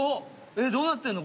えっどうなってんの？